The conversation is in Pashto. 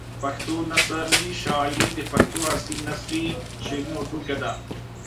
پښتو نثري شاعري د پښتو عصري نثري شعرونو ټولګه ده.